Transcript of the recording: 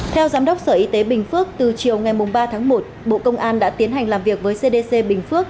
theo giám đốc sở y tế bình phước từ chiều ngày ba tháng một bộ công an đã tiến hành làm việc với cdc bình phước